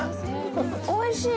おいしい。